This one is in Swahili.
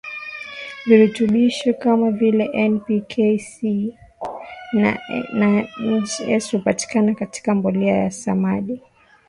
virutubisho kama vile N P K Ca Mg S hupatikana katika mbolea ya samadi